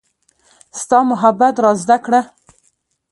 ستا محبت را زده کړه